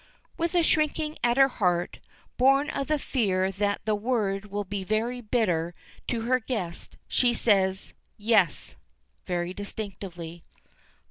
With a shrinking at her heart, born of the fear that the word will be very bitter to her guest, she says, "Yes;" very distinctly.